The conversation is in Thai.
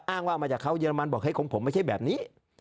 อ้างว่ามาจากเขาเรมันบอกให้ของผมไม่ใช่แบบนี้